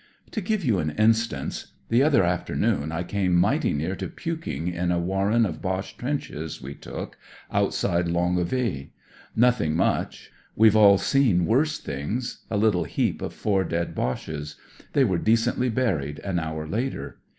To give you an instance :— DESCRIBING INDESCRIBABLE 55 "The other afternoon I came mighty near to puking in a warren of Boche trenches we took outside Longueval. Nothing much. WeVe all seen worse things. A little heap of four dead Boches, They were decently buried an hour later.